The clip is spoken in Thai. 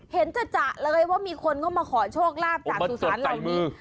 เห็นจัดจัะเลยว่ามีคนมาขอโชคลาภจากสุสานเหล่านี้